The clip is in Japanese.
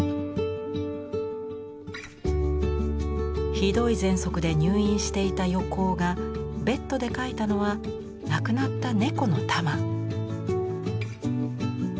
ひどい喘息で入院していた横尾がベッドで描いたのは亡くなった猫のタマ。